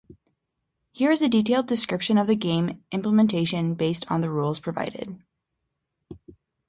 Here is a detailed description of the game implementation based on the rules provided.